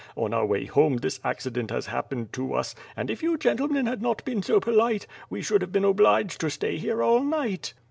On our way home this accident has happened to us; and if you gentle men had not been so polite, we should have been obliged to stay here all night."